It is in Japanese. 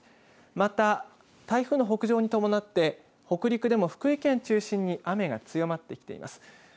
また、台風の北上に伴って、北陸でも福井県中心に雨が強まってきています。